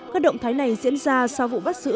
các động thái này diễn ra sau vụ bắt giữ